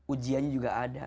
ujian juga ada